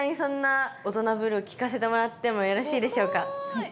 はい。